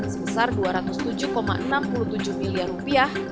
sebesar dua ratus tujuh enam puluh tujuh miliar rupiah